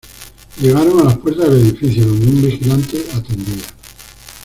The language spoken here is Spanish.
Llegaron a las puertas del edificio, donde un vigilante atendía.